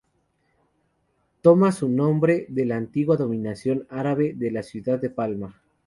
Toma su nombre de la antigua denominación árabe de la ciudad de Palma.